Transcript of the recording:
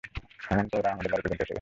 হেমন্ত ওরা আমাদের বাড়ি পর্যন্ত এসে গেছে।